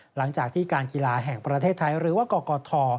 หลังจากที่การกีฬาแห่งประเทศไทยหรือว่ากกท